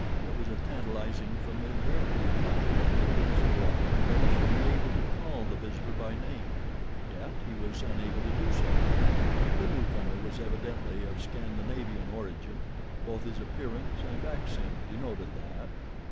There was a tantalizing familiarity about him that convinced Bwana that he should be able to call the visitor by name, yet he was unable to do so. The newcomer was evidently of Scandinavian origin—both his appearance and accent denoted that.